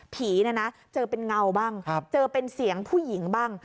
ผีเนี่ยนะเจอเป็นเงาบ้างเจอเป็นเสียงผู้หญิงบ้าง